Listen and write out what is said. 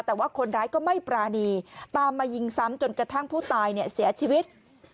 แต่ว่าคนร้ายก็ไม่ปรานีตามมายิงซ้ำจนกระทั่งผู้ตายเนี่ยเสียชีวิต